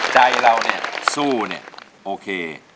ใจเราเนี่ยสู้เนี่ยโอเค